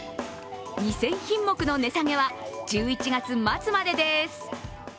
２０００品目の値下げは１１月末までです。